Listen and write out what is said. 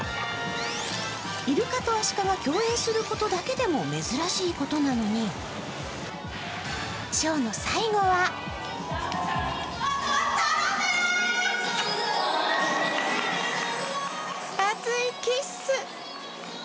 イルカとアシカが共演することだけでも珍しいことなのにショーの最後は熱いキッス。